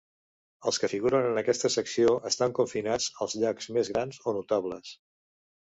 Els que figuren en aquesta secció estan confinats als llacs més grans o notables.